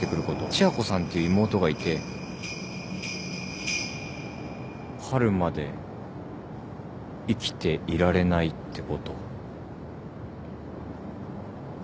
千夜子さんという妹がいて春まで生きていられないってこと。